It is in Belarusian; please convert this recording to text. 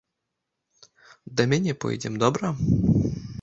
Да мяне пойдзем, добра?